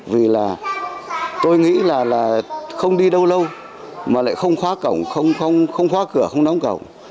vì là tôi nghĩ là không đi đâu lâu lâu mà lại không khóa cổng không khóa cửa không đóng cổng